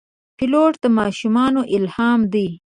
پیلوټ د ماشومانو الهام دی.